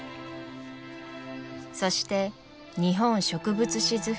そして「日本植物志図譜」